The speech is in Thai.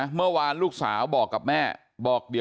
เมื่อวานลูกสาวก็บอกกับแม่